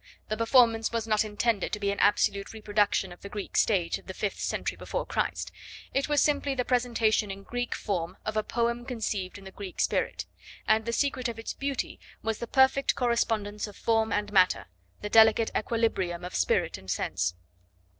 The performance was not intended to be an absolute reproduction of the Greek stage in the fifth century before Christ: it was simply the presentation in Greek form of a poem conceived in the Greek spirit; and the secret of its beauty was the perfect correspondence of form and matter, the delicate equilibrium of spirit and sense.